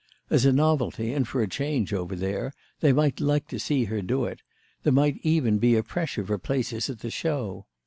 As a novelty and for a change, over there, they might like to see her do it—there might be even a pressure for places at the show.